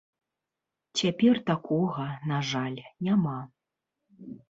Цяпер такога, на жаль, няма.